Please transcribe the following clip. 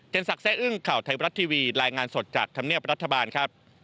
ศักดิ์อึ้งข่าวไทยบรัฐทีวีรายงานสดจากธรรมเนียบรัฐบาลครับ